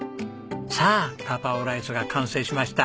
さあガパオライスが完成しました。